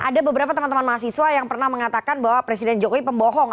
ada beberapa teman teman mahasiswa yang pernah mengatakan bahwa presiden jokowi pembohong